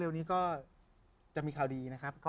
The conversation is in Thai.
นี้ก็จะมีข่าวดีนะครับ